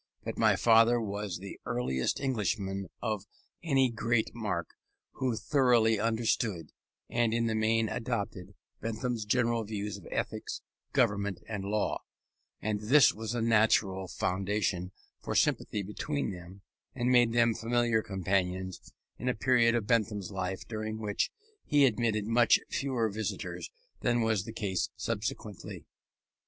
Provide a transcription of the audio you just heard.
But my father was the earliest Englishman of any great mark, who thoroughly understood, and in the main adopted, Bentham's general views of ethics, government and law: and this was a natural foundation for sympathy between them, and made them familiar companions in a period of Bentham's life during which he admitted much fewer visitors than was the case subsequently.